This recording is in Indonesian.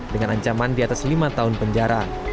dengan ancaman di atas lima tahun penjara